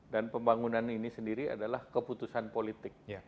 dan pembangunan ini sendiri adalah keputusan politik